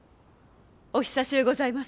お久しゅうございます。